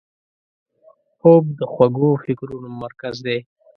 خوب د خوږو فکرونو مرکز دی